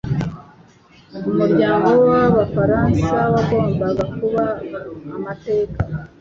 Umuryango w’Abafaransa wagombaga kuba amateka